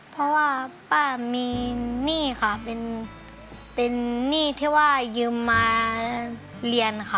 เพราะว่าป้ามีหนี้ค่ะเป็นหนี้ที่ว่ายืมมาเรียนค่ะ